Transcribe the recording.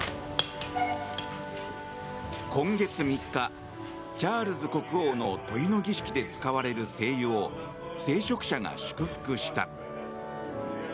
今月３日、チャールズ国王の塗油の儀式で使われる聖油を聖職者が祝福した。